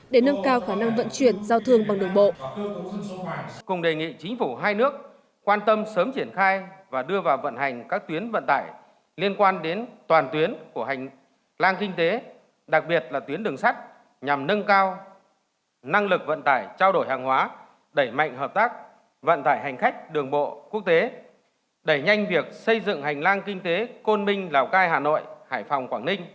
để nâng cao khả năng vận chuyển giao thương bằng đường bộ